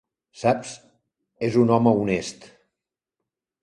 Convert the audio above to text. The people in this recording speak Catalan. Saps, és un home honest.